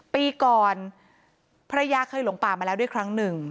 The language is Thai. ปีก่อนภรรยาเคยหลงป่ามาแล้วด้วยครั้งหนึ่ง